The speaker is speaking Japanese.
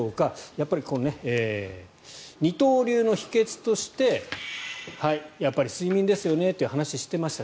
やっぱり二刀流の秘けつとして睡眠ですよねという話をしていました。